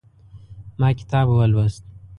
ما کتاب ولوست